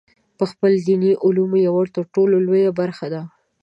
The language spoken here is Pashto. پخپله د دیني علومو یوه ترټولو لویه برخه ده.